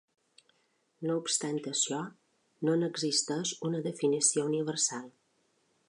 No obstant això, no n'existeix una definició universal.